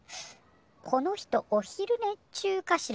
この人お昼ね中かしら？